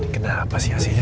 kenapa sih aslinya